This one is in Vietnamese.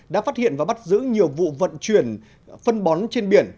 đã phát hiện và bắt giữ nhiều vụ vận chuyển phân bón trên biển